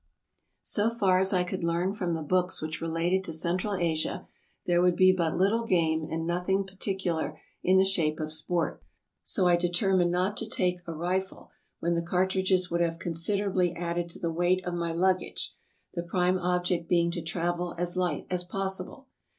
So far as I could learn from the books which related to Central Asia, there would be but little game and nothing particular in the shape of sport; so I determined not to take a rifle, when the cartridges would have considerably added to the weight of my luggage, the prime object being to travel as light as possible.